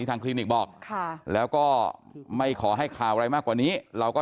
สิ่งที่ให้ข่าวมามันไม่ใช่ความจริงเลยค่ะ